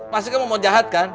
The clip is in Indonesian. pasti kamu mau jahat kan